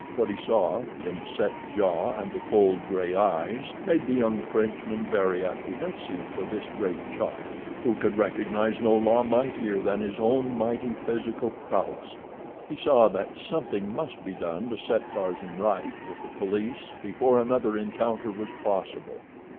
What he saw in the set jaw and the cold, gray eyes made the young Frenchman very apprehensive for this great child, who could recognize no law mightier than his own mighty physical prowess. He saw that something must be done to set Tarzan right with the police before another encounter was possible.